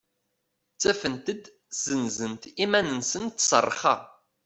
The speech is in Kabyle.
Ttafent-d senzent iman-nsent s rrxa.